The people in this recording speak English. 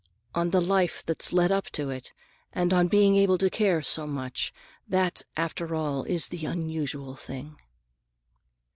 On the life that's led up to it, and on being able to care so much. That, after all, is the unusual thing."